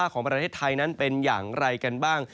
ของประเทศไทยนั้นเป็นอย่างไรกันบ้าง